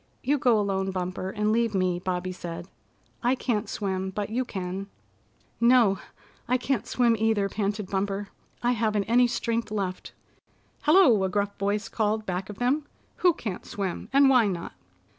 "You go alone, Bumper, and leave me," Bobby said. "I can't swim, but you can." "No, I can't swim either," panted Bumper. "I haven't any strength left." "Hello!" a gruff voice called back of them. "Who can't swim, and why not?"